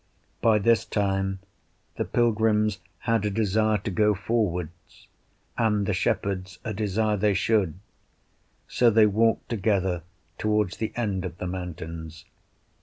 By this time the pilgrims had a desire to go forwards, and the shepherds a desire they should; so they walked together towards the end of the mountains.